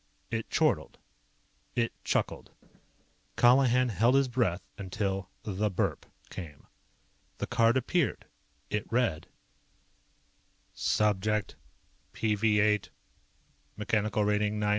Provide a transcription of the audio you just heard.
It chortled. It chuckled. Colihan held his breath until the BURP came. The card appeared. It read: "_Subject #PV8. Mech. Rat. 9987.